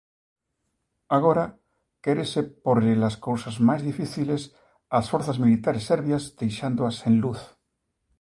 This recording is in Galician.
Agora quérese pórlle-las cousas máis difíciles ás forzas militares serbias deixándoas sen luz.